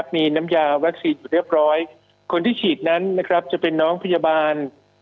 มีน้ำยาวัคซีนอยู่เรียบร้อยคนที่ฉีดนั้นนะครับจะเป็นน้องพยาบาล